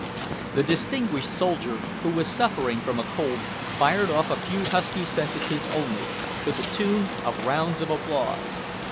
The distinguished soldier, who was suffering from a cold, fired off a few husky sentences only, to the tune of rounds of applause.